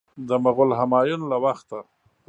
د مغول همایون له وخته.